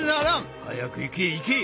早く行けい行けい！